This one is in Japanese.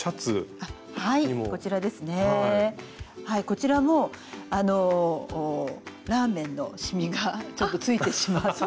こちらもあのラーメンのしみがちょっとついてしまって。